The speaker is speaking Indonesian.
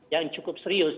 yang cukup serius